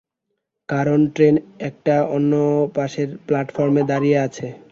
কারণ ট্রেন টা অন্যপাশের প্ল্যাটফর্মে দাঁড়িয়ে আছে।